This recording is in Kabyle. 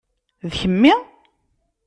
D kemmi?